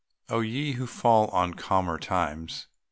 O ye who fall on calmer times!